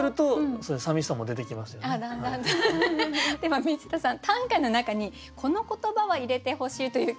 は水田さん短歌の中にこの言葉は入れてほしいという